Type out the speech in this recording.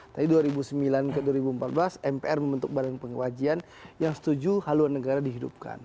tadi dua ribu sembilan ke dua ribu empat belas mpr membentuk badan pengawajian yang setuju haluan negara dihidupkan